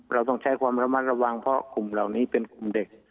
เราต้องใช้ความระมัดระวังเพราะกลุ่มเหล่านี้เป็นกลุ่มเด็ก